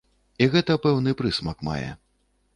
І гэта пэўны прысмак мае.